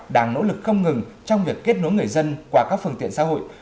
đang nỗ lực không ngừng trong việc kết nối người dân qua các phương tiện xã hội